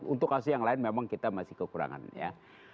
untuk kasus yang lain memang kita masih kekurangan ya